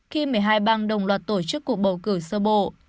khi một mươi hai bang đồng loạt tổ chức cuộc bầu cử sơ bộ